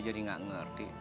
jadinya gak ngerti